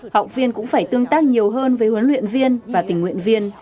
học viên cũng phải tương tác nhiều hơn với huấn luyện viên và tình nguyện viên